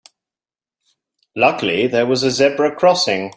Luckily there was a zebra crossing.